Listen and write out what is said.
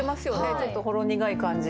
ちょっとほろ苦い感じで。